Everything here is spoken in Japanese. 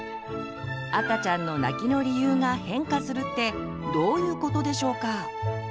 赤ちゃんの泣きの理由が変化するってどういうことでしょうか？